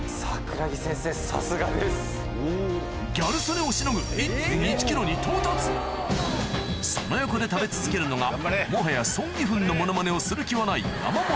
ギャル曽根をしのぐに到達その横で食べ続けるのがもはやソン・ギフンのモノマネをする気はない山本